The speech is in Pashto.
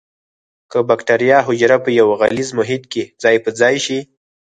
که بکټریا حجره په یو غلیظ محیط کې ځای په ځای شي.